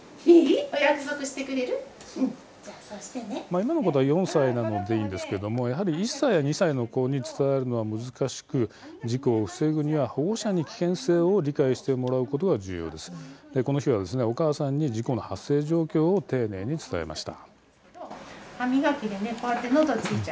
今の子どもは４歳なのでいいんですけれどもやはり１歳や２歳の子に伝えるのは難しくて事故を防ぐには保護者に危険性を理解してもらうことが重要でこの日は、お母さんに事故の発生状況を丁寧に伝えました。